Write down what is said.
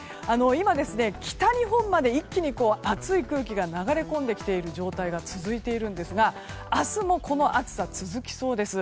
今、北日本まで一気に暑い空気が流れ込んできているんですが明日もこの暑さ、続きそうです。